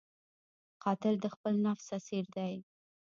قاتل د خپل نفس اسیر دی